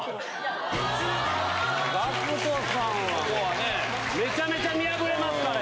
ＧＡＣＫＴさんはめちゃめちゃ見破れますから。